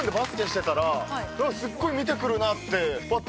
すごい見てくるなって。